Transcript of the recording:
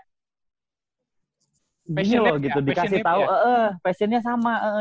passion nya gitu dikasih tau eh eh passion nya sama eh eh